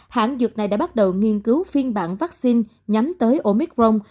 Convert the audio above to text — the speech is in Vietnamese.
hãng dược này đã bắt đầu nghiên cứu phiên bản vaccine nhắm tới omicron